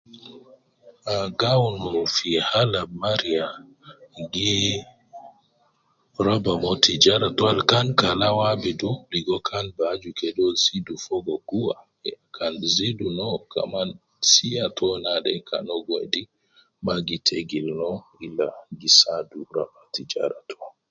Ah gi awun fi hal ab mariya gi, raba mo tijara to al kan kala uwo abidu ligo kan bi aju kede uwo zidu fogo guwa, kan zidu no kaman sia to naade kan uwo gi wedi ma gi tegil no ila gi saadu raba tijara to